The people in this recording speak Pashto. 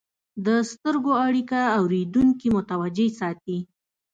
د سترګو اړیکه اورېدونکي متوجه ساتي.